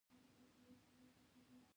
په خلکو پسې سر مه ګرځوه !